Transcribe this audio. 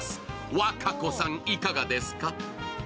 和歌子さん、いかがですか？